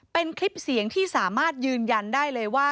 เป็นคลิปเสียงที่สามารถยืนยันได้เลยว่า